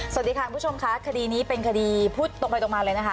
สวัสดีค่ะคุณผู้ชมค่ะคดีนี้เป็นคดีพูดตรงไปตรงมาเลยนะคะ